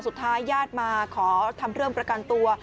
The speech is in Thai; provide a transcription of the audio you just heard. สุดท้ายญาติมาขอทำเรื่องประกันตัว